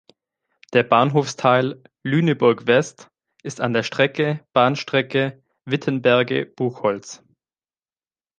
Der Bahnhofsteil "Lüneburg West" ist an der Strecke Bahnstrecke Wittenberge–Buchholz.